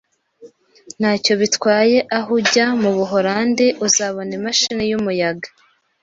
Ntacyo bitwaye aho ujya mu Buholandi, uzabona imashini yumuyaga.